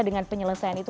dengan penyelesaian itu